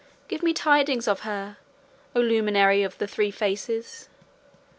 Give me tidings of her, oh luminary of the three faces!